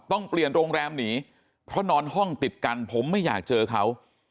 ต้องเปลี่ยนโรงแรมหนีเพราะนอนห้องติดกันผมไม่อยากเจอเขา